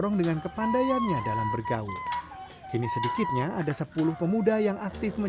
tapi jika mereka mau berbicara sama orang lain juga akan berbicara sama orang lain